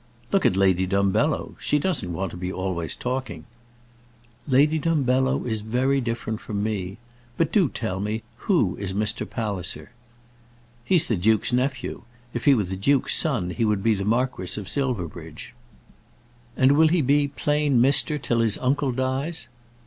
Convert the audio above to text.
"Look at Lady Dumbello. She doesn't want to be always talking." "Lady Dumbello is very different from me. But do tell me, who is Mr. Palliser?" "He's the duke's nephew. If he were the duke's son, he would be the Marquis of Silverbridge." "And will he be plain Mister till his uncle dies?"